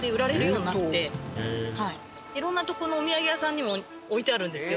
いろんなとこのお土産屋さんにも置いてあるんですよ。